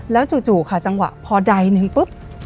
แล้วจู่ค่ะจังหวะพอใดหนึ่งปุ๊บ